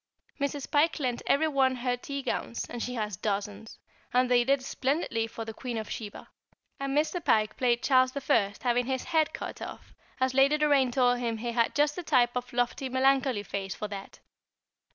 Mrs. Pike lent every one her tea gowns she has dozens and they did splendidly for the Queen of Sheba; and Mr. Pike played Charles I. having his head cut off, as Lady Doraine told him he had just the type of lofty melancholy face for that.